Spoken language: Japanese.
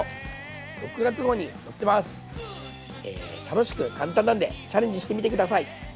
楽しく簡単なんでチャレンジしてみて下さい。